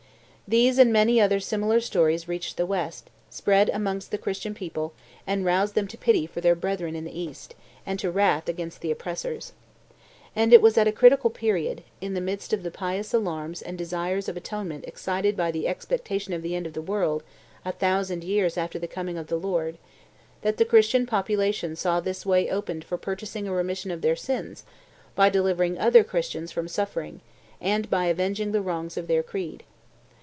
These and many other similar stories reached the West, spread amongst the Christian people and roused them to pity for their brethren in the East and to wrath against the oppressors. And it was at a critical period, in the midst of the pious alarms and desires of atonement excited by the expectation of the end of the world a thousand years after the coming of the Lord, that the Christian population saw this way opened for purchasing remission of their sins by delivering other Christians from suffering, and by avenging the wrongs of their creed.